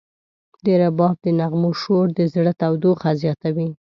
د رباب د نغمو شور د زړه تودوخه زیاتوي.